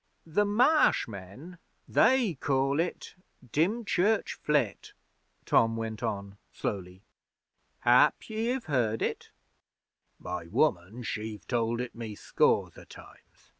'The Marsh men they call it Dymchurch Flit,' Tom went on slowly. 'Hap you have heard it?' 'My woman she've told it me scores o' times.